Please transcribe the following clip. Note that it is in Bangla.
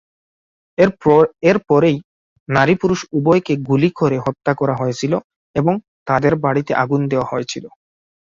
এরপরেই নারী-পুরুষ উভয়কে গুলি করে হত্যা করা হয়েছিল এবং তাদের বাড়িতে আগুন দেওয়া হয়েছিল।